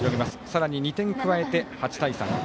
さらに２点加えて８対３。